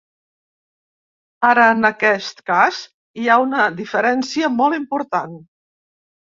Ara, en aquest cas hi ha una diferència molt important.